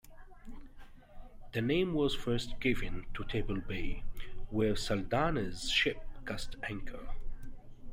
The name was first given to Table Bay, where Saldanha's ship cast anchor.